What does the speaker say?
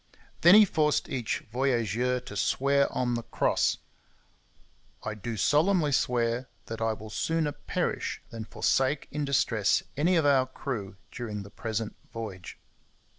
Then he forced each voyageur to swear on the Cross: 'I do solemnly swear that I will sooner perish than forsake in distress any of our crew during the present voyage.'